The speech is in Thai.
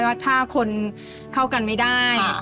ลูกขาดแม่